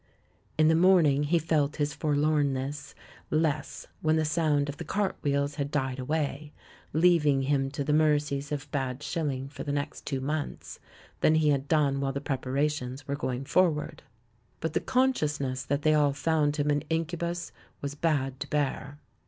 In the morning he felt his forlornness less when the sound of the "cart" wheels had died away, leaving him to the mercies of Bad Shilling THE LAURELS AND THE LADY 133 for the next two months, than he had done while the preparations were going forward. But the consciousness that they all found him an incubus was bad to bear.